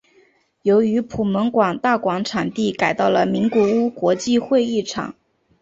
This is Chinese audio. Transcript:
由于普门馆大馆场地改到了名古屋国际会议场。